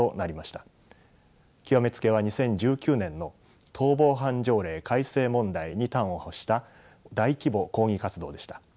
極め付けは２０１９年の逃亡犯条例改正問題に端を発した大規模抗議活動でした。